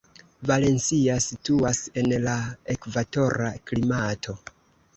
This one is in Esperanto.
Valencia situas en la ekvatora klimato.